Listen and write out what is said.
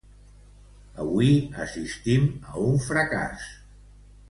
Avui assistim a un fracàs.